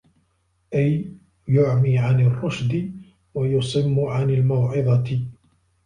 أَيْ يُعْمِي عَنْ الرُّشْدِ وَيُصِمُّ عَنْ الْمَوْعِظَةِ